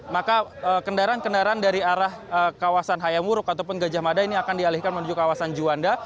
maka kendaraan kendaraan dari arah kawasan hayamuruk ataupun gajah mada ini akan dialihkan menuju kawasan juanda